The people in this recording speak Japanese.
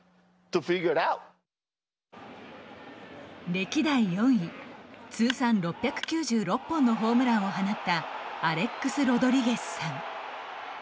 歴代４位通算６９６本のホームランを放ったアレックス・ロドリゲスさん。